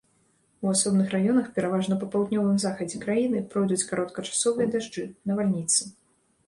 У асобных раёнах, пераважна па паўднёвым захадзе краіны, пройдуць кароткачасовыя дажджы, навальніцы.